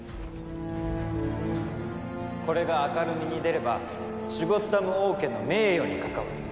これが明るみに出ればシュゴッダム王家の名誉に関わる。